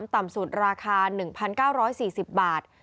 ต่ำสุดราคา๑๙๔๐บาท